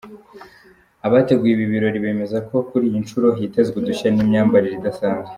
Abateguye ibi birori, bemeze ko kuri iyi nshuro hitezwe udushya n’imyambarire idasanzwe.